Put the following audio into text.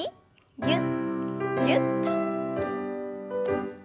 ぎゅっぎゅっと。